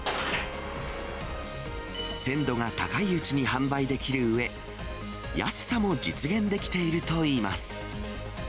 鮮度が高いうちに販売できるうえ、安さも実現できているといいます。